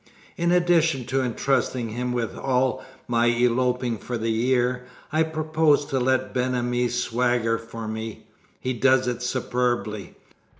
In addition to entrusting him with all my eloping for the year, I purpose to let Ben Ami swagger for me. He does it superbly.